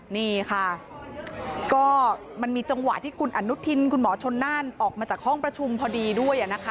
นี่ค่ะก็มันมีจังหวะที่คุณอนุทินคุณหมอชนน่านออกมาจากห้องประชุมพอดีด้วยนะคะ